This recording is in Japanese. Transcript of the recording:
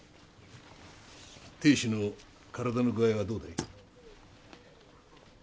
亭主の体の具合はどうだい？